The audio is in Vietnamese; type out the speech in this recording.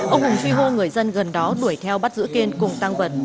ông hùng truy hô người dân gần đó đuổi theo bắt giữ kiên cùng tăng vật